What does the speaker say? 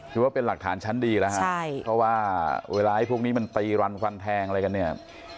ถือว่าเป็นหลักฐานชั้นดีแล้วฮะใช่เพราะว่าเวลาไอ้พวกนี้มันตีรันฟันแทงอะไรกันเนี่ย